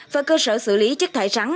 và cơ sở xử lý chất thải sắn